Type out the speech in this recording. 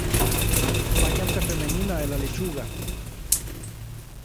Variante femenina de lechuga.